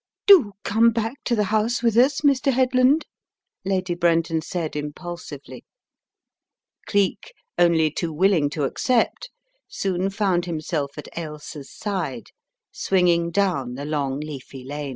"Do come back to the house with us, Mr. Head land/* Lady Brenton said, impulsively. Cleek, only too willing to accept, soon found himself at Ailsa's side, swinging down the long, leafy lane.